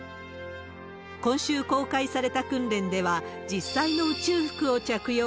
今週公開された訓練では、実際の宇宙服を着用。